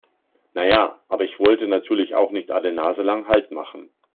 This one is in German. Na ja, aber ich wollte natürlich auch nicht alle naselang Halt machen.